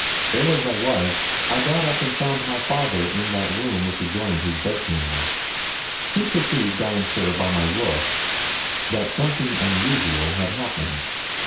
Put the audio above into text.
Ill as I was, I got up and found my father in that room which adjoined his bedchamber. He perceived, I am sure, by my looks, that something unusual had happened.